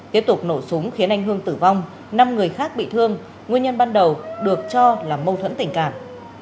tiếp tục nổ súng khiến anh hương tử vong năm người khác bị thương nguyên nhân ban đầu được cho là mâu thuẫn tình cảm